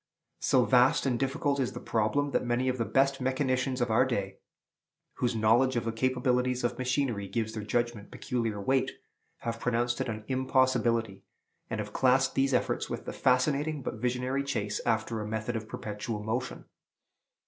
So vast and difficult is the problem, that many of the best mechanicians of our day, whose knowledge of the capabilities of machinery gives their judgment peculiar weight, have pronounced it an impossibility, and have classed these efforts with the fascinating but visionary chase after a method of perpetual motion.